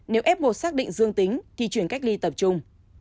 nếu f một xác định dương tính thì chuyển cách ly tập trung